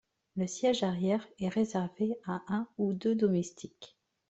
Le siège arrière est réservé à un ou deux domestiques.